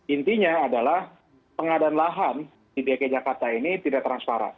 intinya adalah pengadaan lahan di dki jakarta ini tidak transparan